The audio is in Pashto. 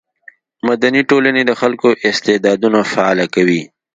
مدني ټولنې د خلکو استعدادونه فعاله کوي.